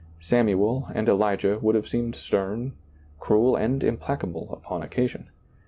Samuel and Elijah would have seemed stern, cruel, and implacable upon occasion.